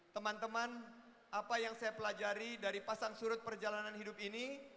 teman teman apa yang saya pelajari dari pasang surut perjalanan hidup ini